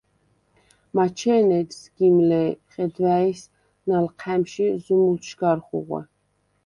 მაჩე̄ნე ეჯ სგიმ ლ’ე̄, ხედვა̄̈ის ნალჴა̈მში ზუმულდშვ გარ ხუღვე.